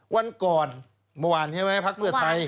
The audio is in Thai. วันก่อนเมื่อวานใช่ไหมพักเพื่อไทย